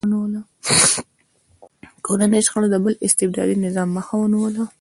کورنیو شخړو د بل استبدادي نظام مخه ونیوله.